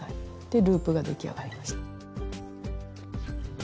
でループが出来上がりました。